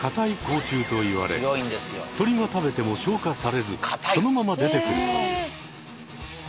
鳥が食べても消化されずそのまま出てくるという。